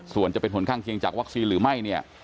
ส่วนจะเป็นผลข้างเคียงจากวัคซีนหรือไม่เนี่ย